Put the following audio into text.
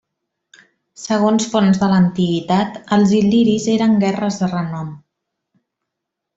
Segons fonts de l'antiguitat, els il·liris eren guerres de renom.